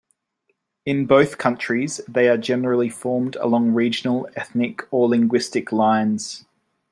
In both countries they are generally formed along regional, ethnic or linguistic lines.